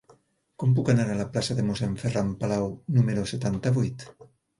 Com puc anar a la plaça de Mossèn Ferran Palau número setanta-vuit?